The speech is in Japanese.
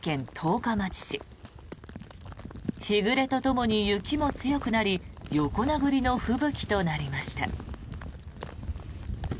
日暮れとともに雪も強くなり横殴りの吹雪となりました。